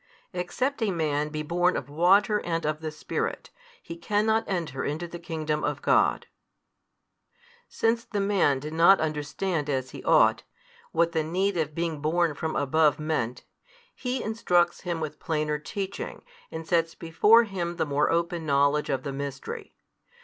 Except a man be born of water and of the Spirit, he cannot enter into the Kingdom of God. Since the man did not understand as he ought, what the need of being born from above meant, He instructs him with plainer teaching, and sets before him the more open knowledge of the Mystery.